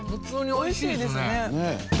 美味しいですね。